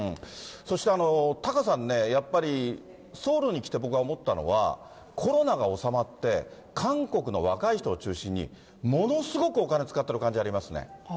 そして、タカさんね、やっぱりソウルに来て僕が思ったのは、コロナが収まって、韓国の若い人を中心に、ものすごくお金使っている感じありますね。